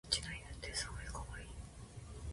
うちの犬ってすごいかわいい